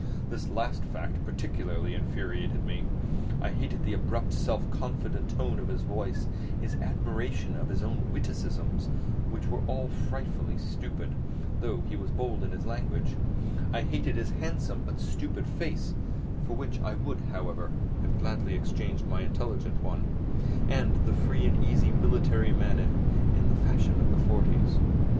This last fact particularly infuriated me. I hated the abrupt self confident tone of his voice, his admiration of his own witticisms, which were often frightfully stupid, though he was bold in his language; I hated his handsome, but stupid face (for which I would, however, have gladly exchanged my intelligent one), and the free and easy military manners in fashion in the "'forties."